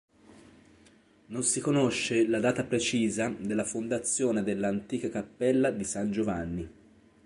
Non si conosce la data precisa della fondazione dell'antica cappella di San Giovanni.